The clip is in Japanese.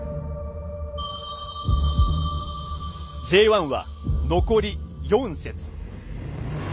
Ｊ１は残り４節。